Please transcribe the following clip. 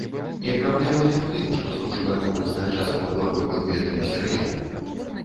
І праблема не ў тым, што стужка другасная частка благой копіі тэлесерыялу.